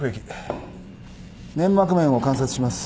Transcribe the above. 粘膜面を観察します。